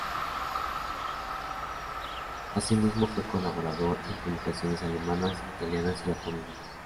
Asimismo fue colaborador en publicaciones alemanas, italianas y japonesas.